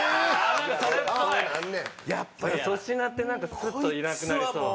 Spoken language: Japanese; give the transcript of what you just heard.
やっぱり粗品ってなんかスッといなくなりそう。